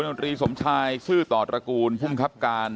นตรีสมชายซื่อต่อตระกูลภูมิคับการ